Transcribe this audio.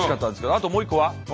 あともう一個は？